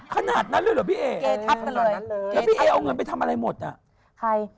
ขนาดนั้นเลยหรอพี่เอเอ้ยแทบนั้นเลยเธอเอาเงินไปทำอะไรหมดอ่ะ